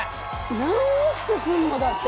何往復すんの？だって。